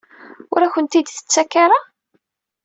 Ur akent-t-id-tettak ara?